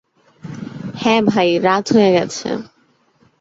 হ্যাঁ ভাই, রাত হয়ে গেছে।